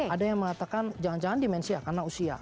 ada yang mengatakan jangan jangan dimensia karena usia